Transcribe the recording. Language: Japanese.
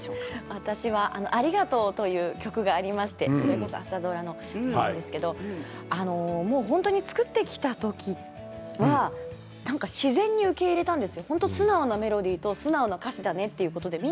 「ありがとう」という曲がありまして朝ドラの曲ですけれど本当に作っていた時は自然に受け入れたんです。